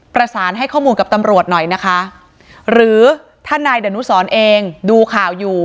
ประสานให้ข้อมูลกับตำรวจหน่อยนะคะหรือถ้านายดนุสรเองดูข่าวอยู่